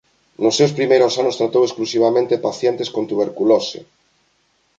Nos seus primeiros anos tratou exclusivamente pacientes con tuberculose.